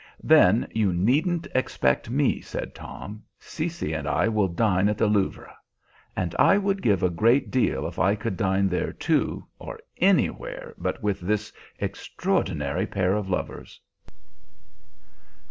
"Then you needn't expect me," said Tom. "Cecy and I will dine at the Louvre." And I would give a good deal if I could dine there too, or any where but with this extraordinary pair of lovers.